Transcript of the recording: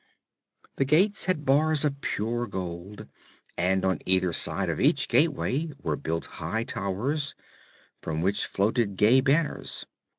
The gates had bars of pure gold, and on either side of each gateway were built high towers, from which floated gay banners.